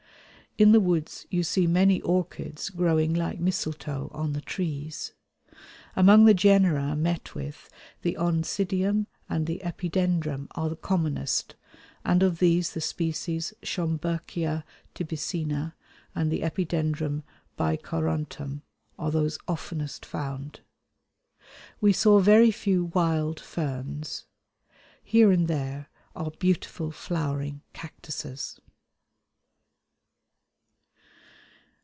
In the woods you see many orchids growing like mistletoe on the trees. Among the genera met with, the Oncidium and Epidendrum are the commonest, and of these the species Schomburgkia tibicina and the Epidendrum bicoruntum are those oftenest found. We saw very few wild ferns. Here and there are beautiful flowering cactuses.